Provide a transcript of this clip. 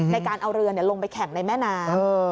ในการเอาเรือลงไปแข่งในแม่น้ำ